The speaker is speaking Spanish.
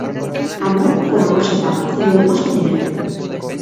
Amor con amor se paga; y lo demas con dinero.